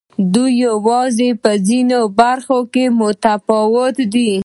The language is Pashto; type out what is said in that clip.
دوی یوازې په ځینو برخو کې متفاوت دي.